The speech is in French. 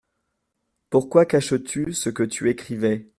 Pourquoi caches-tu ce que tu écrivais ?